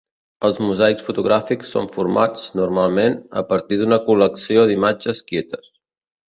Els mosaics fotogràfics són formats, normalment, a partir d'una col·lecció d'imatges quietes.